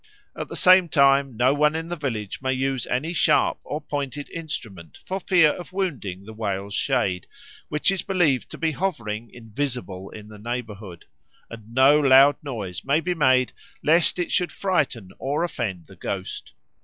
At the same time no one in the village may use any sharp or pointed instrument for fear of wounding the whale's shade, which is believed to be hovering invisible in the neighbourhood; and no loud noise may be made lest it should frighten or offend the ghost.